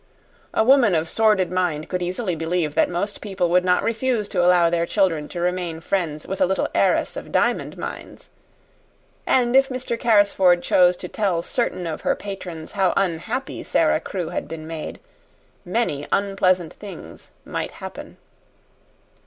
A woman of sordid mind could easily believe that most people would not refuse to allow their children to remain friends with a little heiress of diamond mines. And if Mr. Carrisford chose to tell certain of her patrons how unhappy Sara Crewe had been made, many unpleasant things might happen.